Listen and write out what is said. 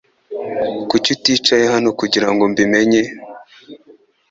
Kuki uticaye hano kugirango mbi menye